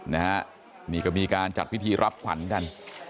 นะฮะนี่ก็มีการจัดพิธีรับขวัญกัน